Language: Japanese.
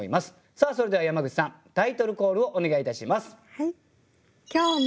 さあそれでは山口さんタイトルコールをお願いいたします。